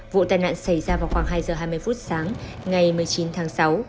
vụ tai nạn xảy ra vào khoảng hai giờ hai mươi phút sáng ngày một mươi chín tháng sáu